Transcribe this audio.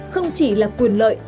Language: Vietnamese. không chỉ là quyền lợi